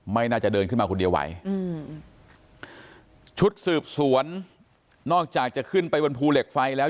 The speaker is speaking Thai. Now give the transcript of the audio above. ไม่น่าจะเดินขึ้นมาคนเดียวไหวอืมชุดสืบสวนนอกจากจะขึ้นไปบนภูเหล็กไฟแล้ว